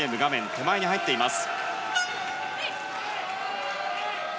手前に入っています。